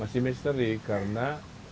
masih misteri karena